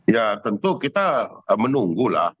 ya tentu kita menunggulah